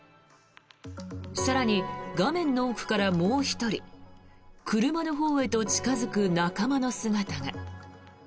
更に画面の奥からもう１人車のほうへと近付く仲間の姿が。